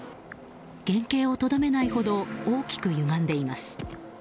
原形をとどめないほど大きくゆがんでいます。